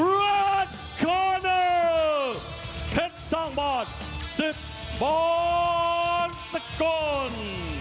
เร็ดคอร์เนอร์เท็จสร้างบอร์ด๑๐บอร์นสักกล